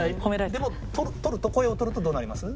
でも取ると声を取るとどうなります？